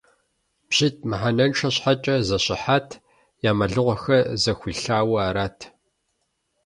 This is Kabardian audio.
ПщитӀ мыхьэнэншэ щхьэкӀэ зэщыхьат: я мэлыхъуэхэр зэхуилъауэ арат.